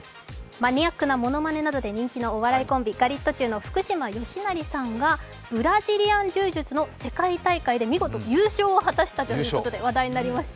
マニアックなものまねなどで人気のお笑いコンビ、ガリットチュウの福島さんがブラジリアン柔術の世界大会で見事優勝を果たしたということで話題になりました。